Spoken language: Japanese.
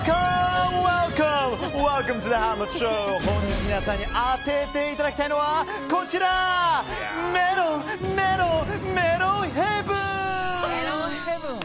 本日皆さんに当てていただきたいのはメロン、メロン、メロンヘブン！